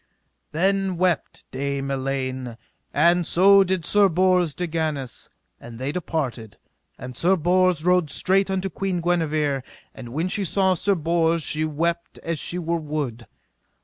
Then wept Dame Elaine, and so did Sir Bors de Ganis; and so they departed, and Sir Bors rode straight unto Queen Guenever. And when she saw Sir Bors she wept as she were wood.